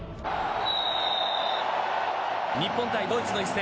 日本対ドイツの一戦。